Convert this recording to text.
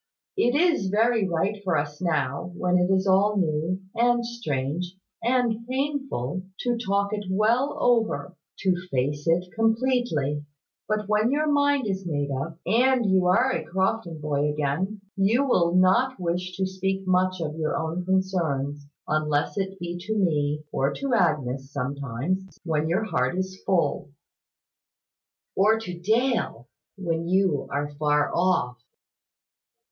It is very right for us now, when it is all new, and strange, and painful, to talk it well over; to face it completely; but when your mind is made up, and you are a Crofton boy again, you will not wish to speak much of your own concerns, unless it be to me, or to Agnes, sometimes, when your heart is full." "Or to Dale, when you are far off."